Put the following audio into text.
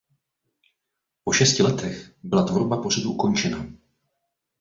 Po šesti letech byla tvorba pořadu ukončena.